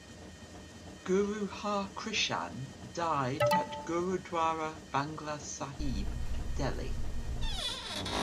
Guru Har Krishan died at Gurudwara Bangla Sahib, Delhi.